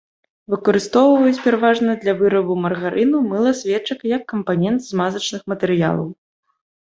Выкарыстоўваюць пераважна для вырабу маргарыну, мыла, свечак, як кампанент змазачных матэрыялаў.